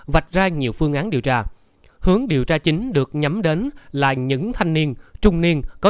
vạch ra nhiều phương án điều tra hướng điều tra chính được nhắm đến là những thanh niên trung niên có